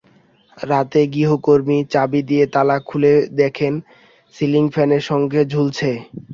রাতে গৃহকর্মী চাবি দিয়ে তালা খুলে দেখেন সিলিং ফ্যানের সঙ্গে ঝুলছে।